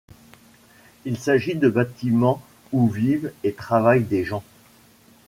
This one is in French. Il s’agit de bâtiments où vivent et travaillent des gens.